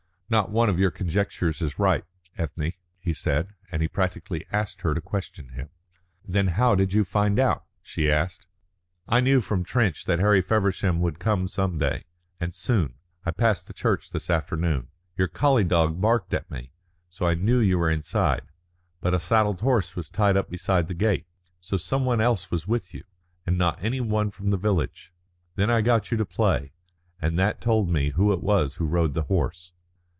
"Not one of your conjectures is right, Ethne," he said, and he practically asked her to question him. "Then how did you find out?" she asked. "I knew from Trench that Harry Feversham would come some day, and soon. I passed the church this afternoon. Your collie dog barked at me. So I knew you were inside. But a saddled horse was tied up beside the gate. So some one else was with you, and not any one from the village. Then I got you to play, and that told me who it was who rode the horse."